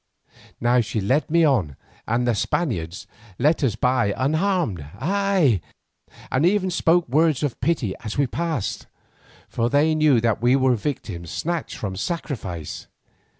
Now she led me on, and the Spaniards let us by unharmed, ay, and even spoke words of pity as we passed, for they knew that we were victims snatched from sacrifice.